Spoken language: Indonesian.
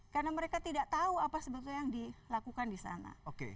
karena mereka tidak tahu apa sebetulnya yang dilakukan di sana